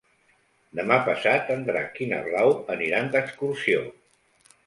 Demà passat en Drac i na Blau aniran d'excursió.